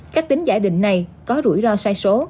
cách tính giả định này có rủi ro sai số